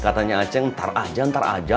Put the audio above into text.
katanya aceh ntar aja ntar aja